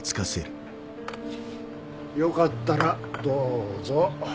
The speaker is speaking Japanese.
よかったらどうぞ。